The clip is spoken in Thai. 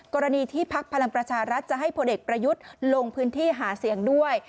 กรณีที่พักพลังประชารัฐจะให้พลเอกประยุทธ์ลงพื้นที่หาเสียงด้วย